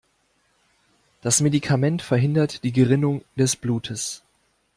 Das Medikament verhindert die Gerinnung des Blutes.